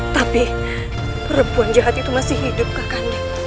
tapi perempuan jahat itu masih hidup kak kanda